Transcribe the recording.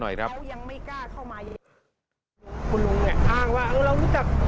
หน่อยนะครับ